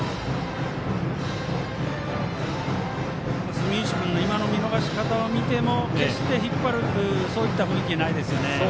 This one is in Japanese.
住石君の今の見逃し方を見ても決して引っ張るそういった雰囲気ないですよね。